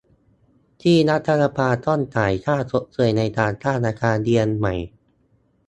ที่รัฐสภาต้องจ่ายค่าชดเชยในการสร้างอาคารเรียนใหม่